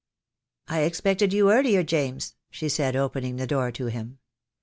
"I expected you earlier, James," she said, opening the door to him.